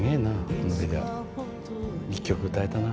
このビデオ１曲歌えたな。